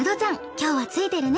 今日はツイてるね。